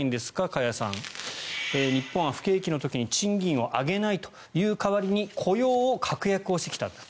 加谷さん、日本は不景気の時に賃金を上げないという代わりに雇用を確約してきたんだと。